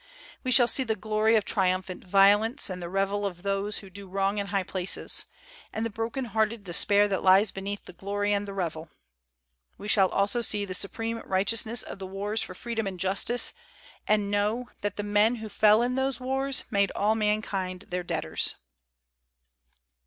... We shall see the glory of tri umphant violence and the revel of those who do wrong in high places; and the broken hearted despair that lies beneath the glory and the revel. We shall also see the supreme righteous ness of the wars for freedom and justice, and know that the men who fell in those wars made all mankind their debtors."